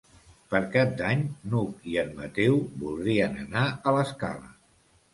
Per Cap d'Any n'Hug i en Mateu voldrien anar a l'Escala.